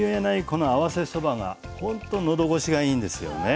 この合わせそばがほんと喉越しがいいんですよね。